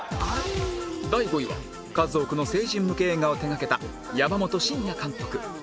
第５位は数多くの成人向け映画を手がけた山本晋也監督